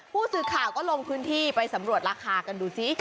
ผู้สื่อข่าวก็ลงพื้นที่ไปสำรวจราคากันดูสิ